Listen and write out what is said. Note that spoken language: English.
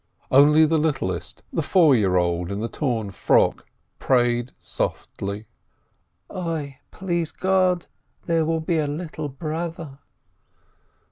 Only the littlest, the four year old, in the torn frock, prayed softly: "Oi, please God, there will be a little brother."